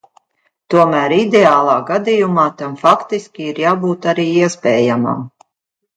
Tomēr ideālā gadījumā tam faktiski ir jābūt arī iespējamam.